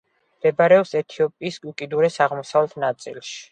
მდებარეობს ეთიოპიის უკიდურეს აღმოსავლეთ ნაწილში.